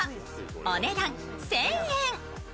お値段１０００円。